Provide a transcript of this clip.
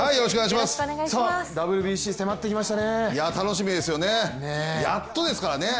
ＷＢＣ、迫ってきましたね。